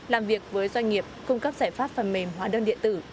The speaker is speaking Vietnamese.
làm việc với doanh nghiệp cung cấp giải pháp phần mềm hóa đơn điện tử